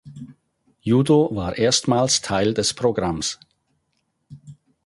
Judo war erstmals Teil des Programms.